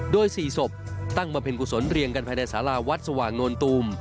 โดย๔ศพตั้งบำเพ็ญกุศลเรียงกันภายในสาราวัดสว่างโนนตูม